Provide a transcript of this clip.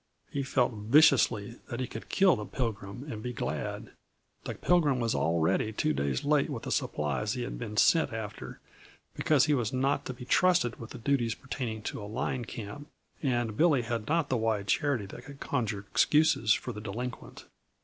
He felt viciously that he could kill the Pilgrim and be glad. The Pilgrim was already two days late with the supplies he had been sent after because he was not to be trusted with the duties pertaining to a line camp and Billy had not the wide charity that could conjure excuses for the delinquent.